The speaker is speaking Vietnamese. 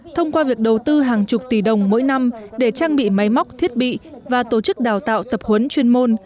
thông qua việc đầu tư hàng chục tỷ đồng mỗi năm để trang bị máy móc thiết bị và tổ chức đào tạo tập huấn chuyên môn